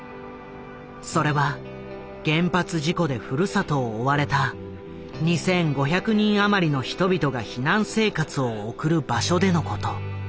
それは原発事故でふるさとを追われた２，５００人余りの人々が避難生活を送る場所でのこと。